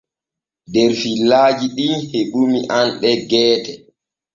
Der fillajiɗin heɓuni anɗe geete.